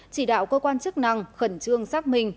chỉ đạo cơ quan chức năng khẩn trương xác minh